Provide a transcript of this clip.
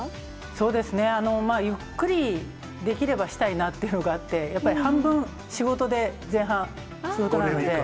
そうですね、ゆっくりできればしたいなっていうのがあって、やっぱり半分仕事で、前半、仕事なので。